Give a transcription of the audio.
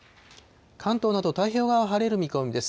関東など太平洋側は晴れる見込みです。